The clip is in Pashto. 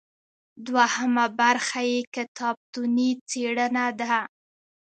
دوهمه برخه یې کتابتوني څیړنه ده.